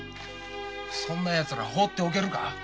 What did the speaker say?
そんなヤツらほうっておけるか？